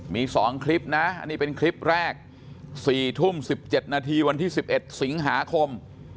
มี๒คลิปนะนี่เป็นคลิปแรก๔ทุ่ม๑๗นาทีวันที่๑๑สิงหาคม